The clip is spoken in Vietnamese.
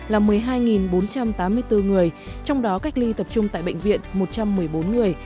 là một mươi hai bốn trăm tám mươi bốn người trong đó cách ly tập trung tại bệnh viện một trăm một mươi bốn người